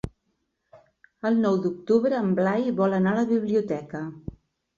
El nou d'octubre en Blai vol anar a la biblioteca.